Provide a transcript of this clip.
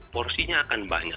porsinya akan banyak